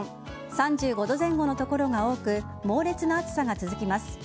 ３５度前後の所が多く猛烈な暑さが続きます。